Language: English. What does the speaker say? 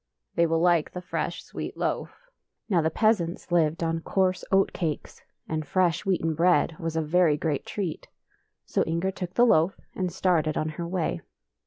" They will like the fresh sweet loaf." Now the peasants lived on coarse oat cakes, and fresh wheaten bread was a very great treat. So Inger took the loaf and started on her way.